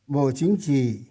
bộ chính trị